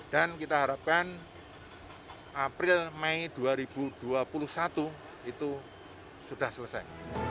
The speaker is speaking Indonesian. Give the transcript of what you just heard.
dan kita harapkan april may dua ribu dua puluh satu itu sudah selesai